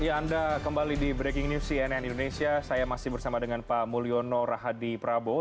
ya anda kembali di breaking news cnn indonesia saya masih bersama dengan pak mulyono rahadi prabowo